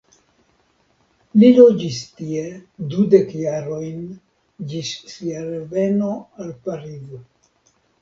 Li loĝis tie dudek jarojn ĝis sia reveno al Parizo.